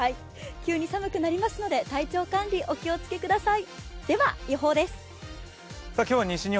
急に寒くなりますので、体調管理お気をつけください。